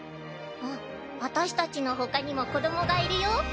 あっ私たちのほかにも子どもがいるよ。